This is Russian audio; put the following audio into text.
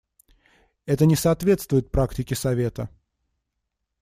Это не соответствует практике Совета.